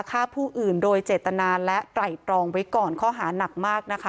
ฆ่าผู้อื่นโดยเจตนาและไตรตรองไว้ก่อนข้อหานักมากนะคะ